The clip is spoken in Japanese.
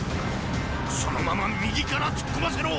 そのまま右から突っ込ませろ！